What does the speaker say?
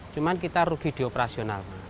cuma kita rugi di operasional